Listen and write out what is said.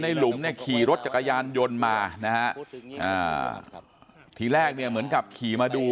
ในหลุมขี่รถจักรยานยนต์มานะที่แรกเนี่ยเหมือนกับขี่มาดู